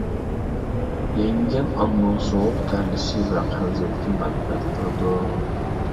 يەڭگىگەن ئانىنىڭ سوغۇق تەرلىشى ۋە قەۋزىيەتكە مەنپەئەت قىلىدۇ.